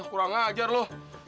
kurang ajar lu